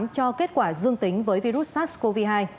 cho kết quả dương tính với virus sars cov hai